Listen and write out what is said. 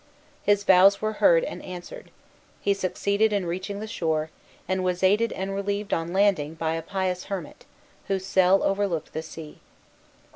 His vows were heard and answered; he succeeded in reaching the shore, and was aided and relieved on landing by a pious hermit, whose cell overlooked the sea.